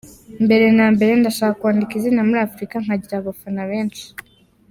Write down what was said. Mbere na mbere ndashaka kwandika izina muri Afurika, nkagira abafana benshi.